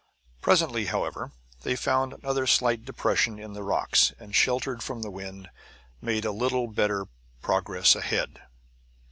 Presently, however, they found another slight depression in the rocks; and sheltered from the wind, made a little better progress ahead.